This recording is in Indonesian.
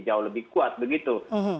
jauh lebih kuat begitu